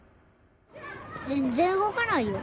全然動かないよ。